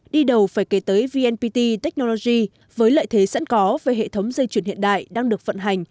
đi đầu phải kể tới vnpt technology với lợi thế sẵn có về hệ thống dây chuyển hiện đại đang được vận hành